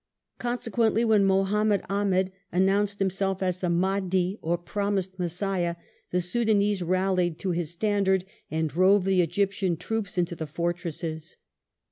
Consequently, when Muhammad Ahmed announced himself as the Mahdi or promised Messiah, the Soudanese rallied to his standard, and drove the Egyptian troops into the fortresses.